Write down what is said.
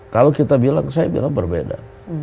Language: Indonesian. kalau kita bilang saya bilang berbeda